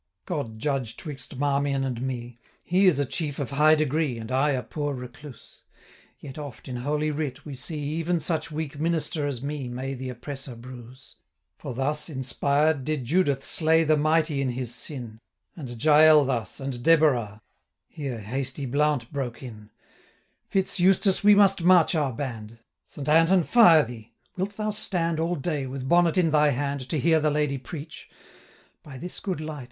God judge 'twixt Marmion and me; 920 He is a Chief of high degree, And I a poor recluse; Yet oft, in holy writ, we see Even such weak minister as me May the oppressor bruise: 925 For thus, inspired, did Judith slay The mighty in his sin, And Jael thus, and Deborah' Here hasty Blount broke in: 'Fitz Eustace, we must march our band; 930 Saint Anton' fire thee! wilt thou stand All day, with bonnet in thy hand, To hear the Lady preach? By this good light!